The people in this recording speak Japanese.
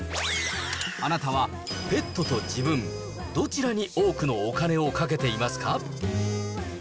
あなたはペットと自分、どちらに多くのお金をかけていますか？